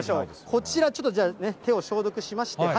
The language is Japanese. こちら、ちょっと手を消毒しまして。